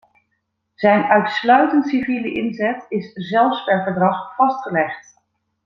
Zijn uitsluitend civiele inzet is zelfs per verdrag vastgelegd.